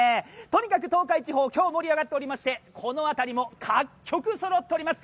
とにかく東海地方、今日、盛り上がっていましてこの辺りも各局そろっています。